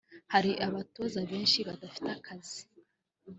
Hari abatoza benshi badafite akazi